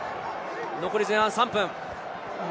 残り前半３分。